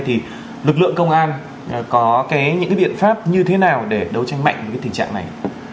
thì lực lượng công an có cái những cái biện pháp như thế nào để đấu tranh mạnh với cái tình trạng này